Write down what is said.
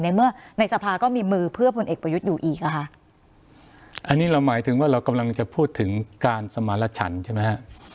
ในเมื่อในสภาก็มีมือเพื่อพลเอกประยุทธ์อยู่อีกอ่ะค่ะอันนี้เราหมายถึงว่าเรากำลังจะพูดถึงการสมารชันใช่ไหมฮะ